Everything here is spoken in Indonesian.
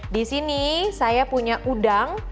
disini saya punya udang